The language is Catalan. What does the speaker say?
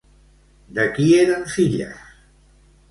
De qui eren filles?